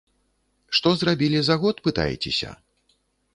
Што зрабілі за год, пытаецеся?